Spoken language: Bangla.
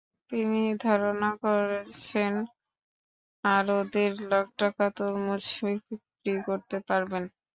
তিনি ধারণা করছেন আরও দেড় লাখ টাকা তরমুজ বিক্রি করতে পারবেন।